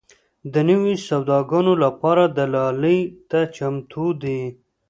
د نویو سوداګانو لپاره دلالۍ ته چمتو دي.